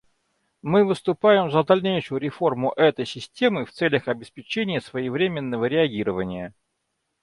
Мы выступаем за дальнейшую реформу этой системы в целях обеспечения своевременного реагирования.